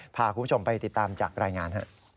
พาคุณผู้ชมไปติดตามจากรายงาน